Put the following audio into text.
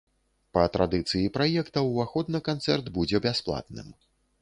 Па традыцыі праекта ўваход на канцэрт будзе бясплатным.